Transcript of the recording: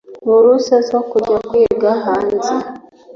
buruse zo kujya kwiga hanze